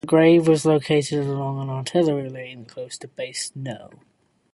The grave was located along an artillery lane close to Base no.